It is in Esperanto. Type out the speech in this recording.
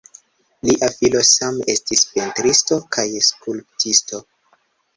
Lia filo same estis pentristo kaj skulptisto.